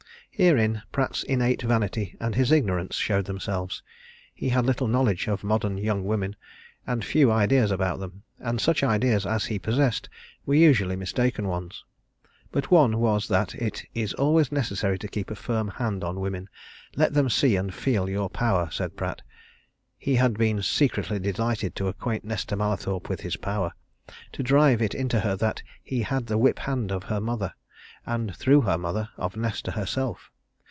Herein Pratt's innate vanity and his ignorance showed themselves. He had little knowledge of modern young women, and few ideas about them; and such ideas as he possessed were usually mistaken ones. But one was that it is always necessary to keep a firm hand on women let them see and feel your power, said Pratt. He had been secretly delighted to acquaint Nesta Mallathorpe with his power, to drive it into her that he had the whip hand of her mother, and through her mother, of Nesta herself.